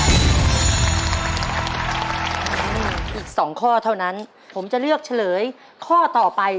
อีก๒ข้อเท่านั้นผมจะเลือกเฉลยข้อต่อไป